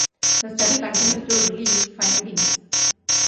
The study continues to release findings.